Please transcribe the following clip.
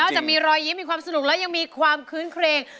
จะมีรอยยิ้มมีความสนุกแล้วยังมีความคื้นเครง